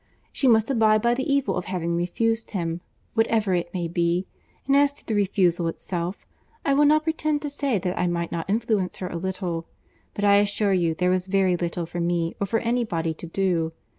She must abide by the evil of having refused him, whatever it may be; and as to the refusal itself, I will not pretend to say that I might not influence her a little; but I assure you there was very little for me or for any body to do.